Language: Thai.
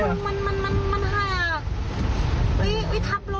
มันหาก